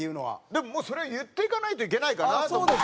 でももうそれ言っていかないといけないかなと思って。